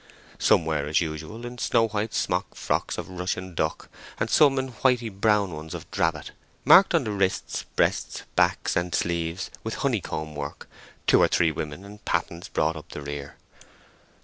Some were, as usual, in snow white smock frocks of Russia duck, and some in whitey brown ones of drabbet—marked on the wrists, breasts, backs, and sleeves with honeycomb work. Two or three women in pattens brought up the rear.